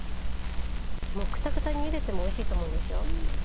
もうくたくたにゆでてもおいしいと思うんですよ。